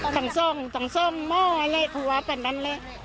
ทางสร้างมัวอะไรเขาว่าแบบนั้นเลย